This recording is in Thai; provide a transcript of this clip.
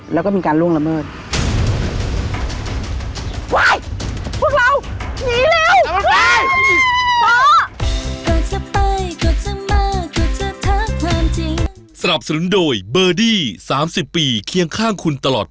แล้วก็มีการล่วงละเมิด